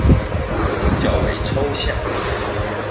較為抽象